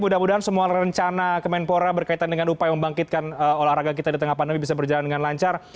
mudah mudahan semua rencana kemenpora berkaitan dengan upaya membangkitkan olahraga kita di tengah pandemi bisa berjalan dengan lancar